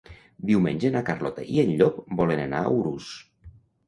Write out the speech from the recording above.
Diumenge na Carlota i en Llop volen anar a Urús.